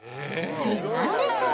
一体何でしょう？